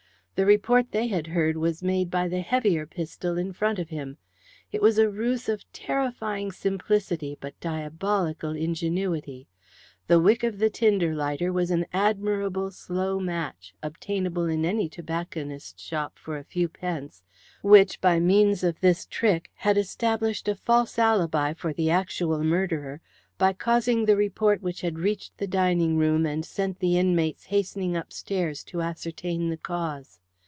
The report they had heard was made by the heavier pistol in front of him. It was a ruse of terrifying simplicity but diabolical ingenuity. The wick of the tinder lighter was an admirable slow match, obtainable in any tobacconist's shop for a few pence, which, by means of this trick, had established a false alibi for the actual murderer by causing the report which had reached the dining room, and sent the inmates hastening upstairs to ascertain the cause.